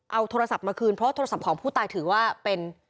เอาโทรศัพท์มาคืนเพราะโทรศัพท์ของผู้ตายถือว่าเป็น